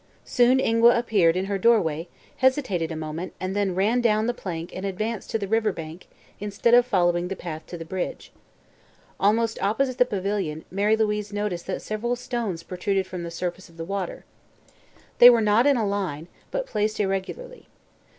Soon Ingua appeared in her doorway, hesitated a moment, and then ran down the plank and advanced to the river bank instead of following the path to the bridge. Almost opposite the pavilion Mary Louise noticed that several stones protruded from the surface of the water. They were not in a line, but placed irregularly.